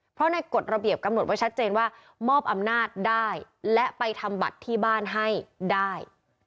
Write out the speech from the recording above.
เพราะในกฎระเบียบกำหนดไว้ชัดเจนว่ามอบอำนาจได้และไปทำบัตรที่บ้านให้ได้